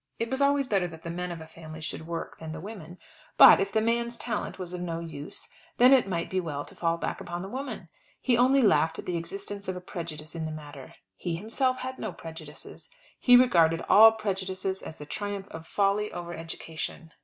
It was always better that the men of a family should work than the women; but, if the man's talent was of no use, then it might be well to fall back upon the woman. He only laughed at the existence of a prejudice in the matter. He himself had no prejudices. He regarded all prejudices as the triumph of folly over education.